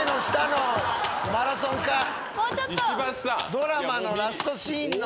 ドラマのラストシーンの。